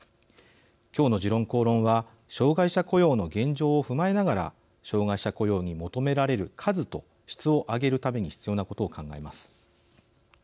今日の「時論公論」は障害者雇用の現状を踏まえながら障害者雇用に求められる数と質を上げるために必要なことを考えます。